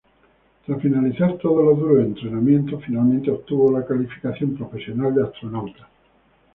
Tras finalizar todos los duros entrenamientos, finalmente obtuvo la calificación profesional de astronauta.